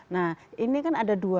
nah ini kan ada dua